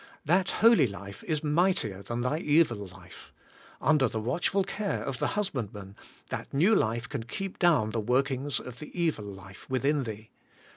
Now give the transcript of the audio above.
That holy life is mightier than thy evil life ; under the watchful care of the Husbandman, that new life can keep down the workings of the evil life within thee.